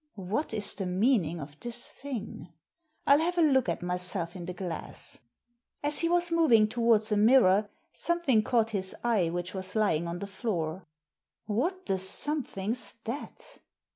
What is the meaning of this thing? FU have a look at myself in the glass." As he was moving towards a mirror something caught his eye which was lying on the floor. "What the something's that